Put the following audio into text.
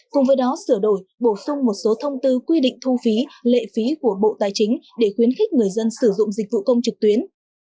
cùng với đó sửa đổi bổ sung một số thông tư quy định thu phí lệ phí của bộ tài chính để khuyến khích người dân sử dụng dịch vụ công trực tuyến